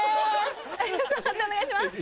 判定お願いします。